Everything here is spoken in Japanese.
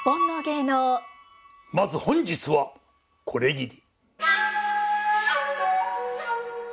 まず本日はこれぎり。